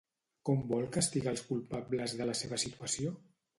Com vol castigar als culpables de la seva situació?